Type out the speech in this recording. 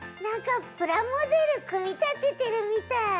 なんかプラモデルくみたててるみたい。